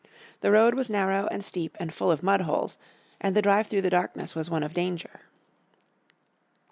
The road was narrow, and steep, and full of mudholes, and the drive through the darkness was one of danger.